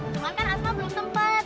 cuman kan asma belum sempet